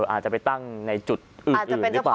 อาจจะไปตั้งในจุดอื่นหรือเปล่า